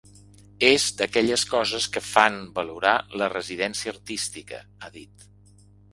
És d’aquelles coses que fan valorar la residència artística –ha dit–.